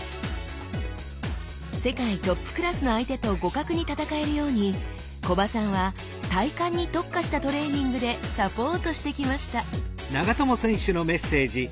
世界トップクラスの相手と互角に戦えるように木場さんは体幹に特化したトレーニングでサポートしてきました